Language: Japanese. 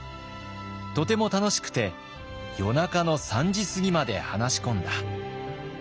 とても楽しくて夜中の３時過ぎまで話し込んだ」。